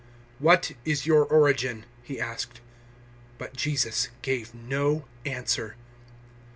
019:009 "What is your origin?" he asked. But Jesus gave him no answer.